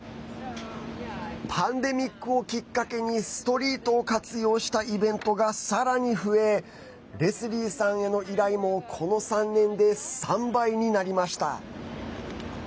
パンデミックをきっかけにストリートを活用したイベントがさらに増えレスリーさんへの依頼もこの３年で３倍になりました。